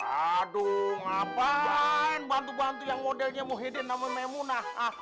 aduh ngapain bantu bantu yang modelnya muhyidin nama memu nah